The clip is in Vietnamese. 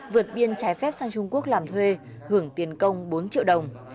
vượt biên trái phép sang trung quốc làm thuê hưởng tiền công bốn triệu đồng